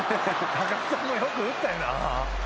高津さんも、よく打ったよな。